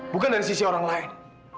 bukan dari sisi orang lain